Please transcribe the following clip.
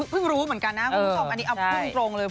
เพิ่งรู้เหมือนกันนะคุณผู้ชมอันนี้เอาพูดตรงเลย